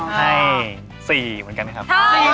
ให้๔เวลาค่ะ